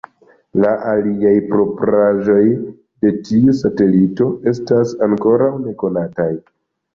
La aliaj propraĵoj de tiu satelito estas ankoraŭ nekonataj.